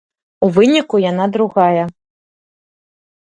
У выніку яна другая.